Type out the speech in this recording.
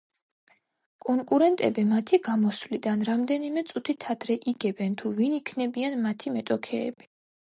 კონკურსანტები მათი გამოსვლიდან რამდენიმე წუთით ადრე იგებენ თუ ვინ იქნებიან მათი მეტოქეები.